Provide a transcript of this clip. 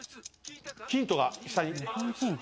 ヒントが下に。